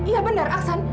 ya benar aksan